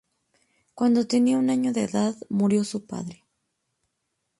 Cuando tenía un año de edad, murió su padre.